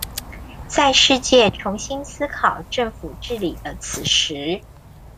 在世界重新思考政府治理的此時